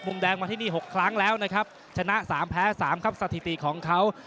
แดงมาที่นี่๖ครั้งแล้วนะครับชนะสามแพ้สามครับสถิติของเขา